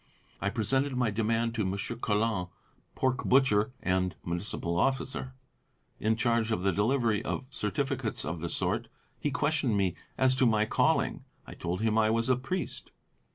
I presented my demand to Monsieur Colin, pork butcher and Municipal officer, in charge of the delivery of certificates of the sort. He questioned me as to my calling. I told him I was a Priest.